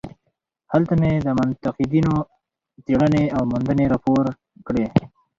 هلته مې د منتقدینو څېړنې او موندنې راپور کړې.